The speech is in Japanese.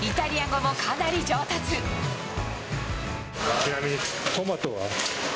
ちなみにトマトは？